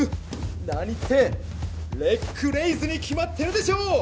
何ってレッグレイズに決まってるでしょう！